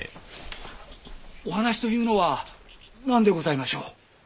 お話というのは何でございましょう？